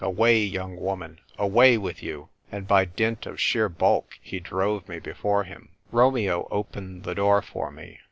Away, young woman : away with you." And by dint of sheer bulk, he drove me before him. Romeo opened the door for me.